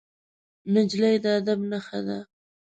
نجلۍ د ادب نښه ده.